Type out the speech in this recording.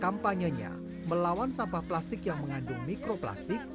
kampanyenya melawan sampah plastik yang mengandung mikroplastik